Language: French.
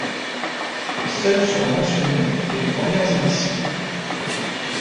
Seules sont mentionnées les premières éditions.